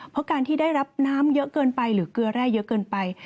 เพราะการที่ได้รับน้ำเยอะเกินไปหรือเกลือแร่เยอะเกินไป